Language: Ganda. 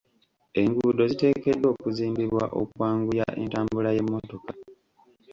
Enguudo ziteekeddwa okuzimbibwa okwanguya entambula y'emmotoka.